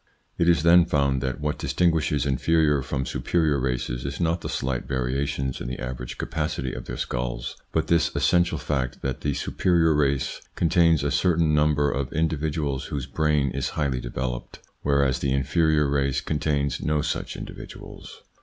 It is then found that what distinguishes inferior from superior races is not the slight variations in the average capacity of their skulls, but this essential fact that the superior race contains a certain number of individuals whose brain is highly developed, whereas the inferior race contains no such individuals.